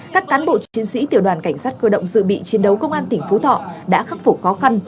các cán bộ chiến sĩ tiểu đoàn cảnh sát cơ động dự bị chiến đấu công an tỉnh phú thọ đã khắc phục khó khăn